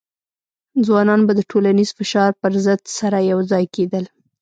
ځوانان به د ټولنیز فشار پر ضد سره یوځای کېدل.